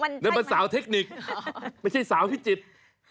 นั่นมันสาวเทคนิคไม่ใช่สาวพิจิตร